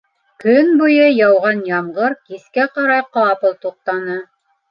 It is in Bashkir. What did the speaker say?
Көн буйы яуған ямғыр кискә ҡарай ҡапыл туҡтаны.